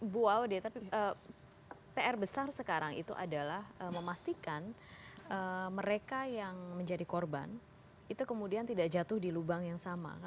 bu aude tapi pr besar sekarang itu adalah memastikan mereka yang menjadi korban itu kemudian tidak jatuh di lubang yang sama